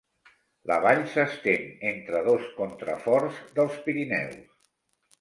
La vall s'estén entre dos contraforts dels Pirineus.